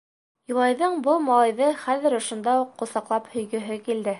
Юлайҙың был малайҙы хәҙер ошонда уҡ ҡосаҡлап һөйгөһө килде.